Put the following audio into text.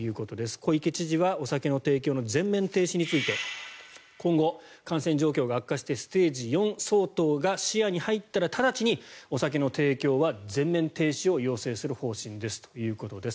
小池知事はお酒の提供の全面停止について今後、感染状況が悪化してステージ４相当が視野に入ったら直ちにお酒の提供は全面停止を要請する方針ですということです。